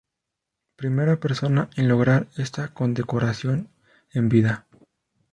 Primera persona en lograr esta condecoración en vida.